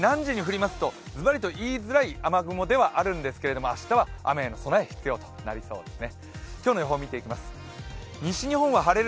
正直、何時に降りますと、ずばり言いづらい雨雲ではあるんですが、明日は雨への備え、必要となりそうですね。